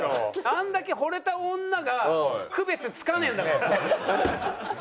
あんだけほれた女が区別付かねえんだから。